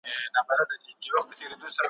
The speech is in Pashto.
دغه توري سپيني ږيري `